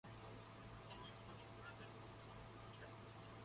The Meritorious Public Service Medal is a bronze disc in height and in width.